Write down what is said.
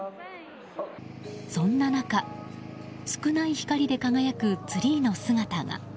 そんな中、少ない光で輝くツリーの姿が。